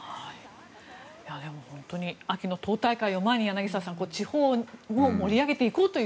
でも、本当に秋の党大会を前に柳澤さん地方を盛り上げていこうと。